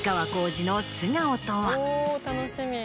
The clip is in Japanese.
おぉ楽しみ。